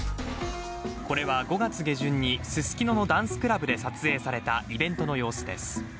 これは、５月下旬にススキノのダンスクラブで撮影されたイベントの様子です。